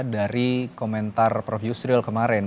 dari komentar prof yusril kemarin